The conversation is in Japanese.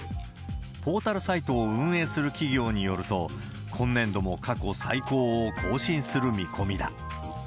ポータルサイトを運営する企業によると、今年度も過去最高を更新する見込みだ。